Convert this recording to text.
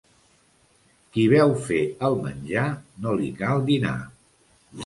Qui veu fer el menjar, no li cal dinar.